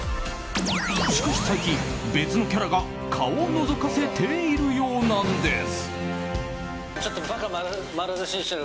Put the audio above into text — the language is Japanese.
しかし最近、別のキャラが顔をのぞかせているようなんです。